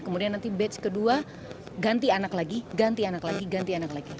kemudian nanti batch kedua ganti anak lagi ganti anak lagi ganti anak lagi